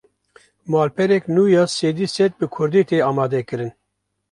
Malpereke nû ya sedî sed bi Kurdî, tê amadekirin